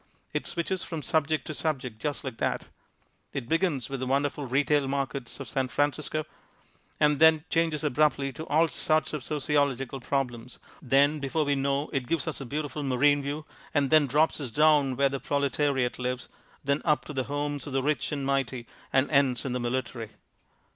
It switches from subject to subject just like that. It begins with the wonderful retail markets of San Francisco, and then changes abruptly to all sorts of sociological problems, then before we know it gives us a beautiful marine view, and then drops us down where the proletariat lives, then up to the homes of the rich and mighty, and ends in the military.